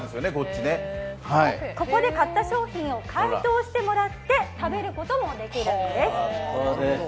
ここで買った商品を解凍してもらって食べることもできるんです。